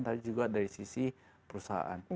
tapi juga dari sisi perusahaan